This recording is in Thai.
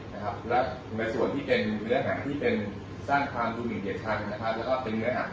และไงส่วนที่เป็นเยอะหอมที่เป็นสร้างความรูเหมือนเหี่ยคชันและเป็นเยอะหัก